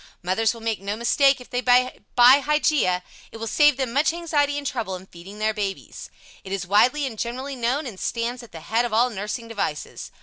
Mothers will make no mistake if they buy the Hygeia. It will save them much anxiety and trouble in feeding their babies. It is widely and generally known, and stands at the head of all nursing devices.